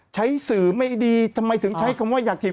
ใช้สื่อไม่ดีทำไมถึงใช้คำว่าอยากถีบ